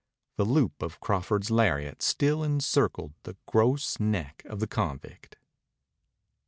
The loop of Crawford's lariat still encircled the gross neck of the convict.